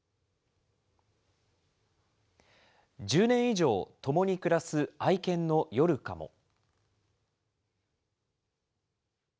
１０年以上、共に暮らす愛犬のヨルカも。